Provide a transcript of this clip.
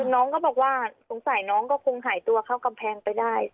น้องก็บอกว่าสงสัยน้องก็คงหายตัวเข้ากำแพงไปได้